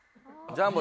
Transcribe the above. ジャンボ。